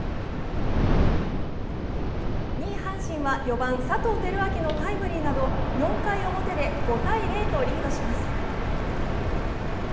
２位阪神は４番・佐藤輝明のタイムリーなど４回表で５−０とリードします。